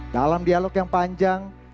dalam dialog yang panjang